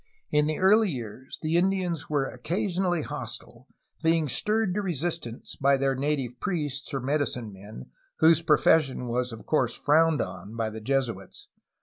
In the early years the Indians were occasionally hostile, being stirred to resistance by their native priests, or medicine men, whose profession was of course frowned upon by the Jesuits.